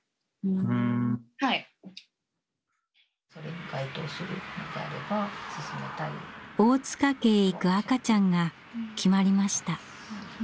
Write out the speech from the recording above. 大塚家へ行く赤ちゃんが決まりました。